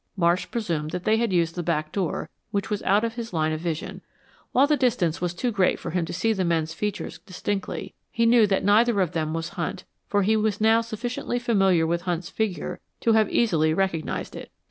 Marsh presumed that they had used the back door, which was out of his line of vision. While the distance was too great for him to see the men's features distinctly, he knew that neither of them was Hunt, for he was now sufficiently familiar with Hunt's figure to have easily recognized it.